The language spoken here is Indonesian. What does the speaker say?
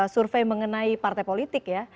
survei mengenai partai politik ya